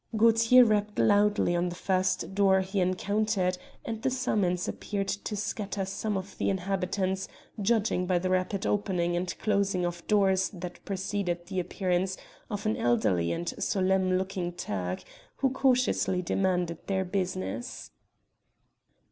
Gaultier rapped loudly on the first door he encountered, and the summons appeared to scatter some of the inhabitants, judging by the rapid opening and closing of doors that preceded the appearance of an elderly and solemn looking Turk, who cautiously demanded their business.